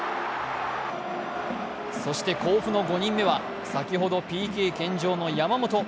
そして甲府の５人目は先ほどＰＫ献上の山本。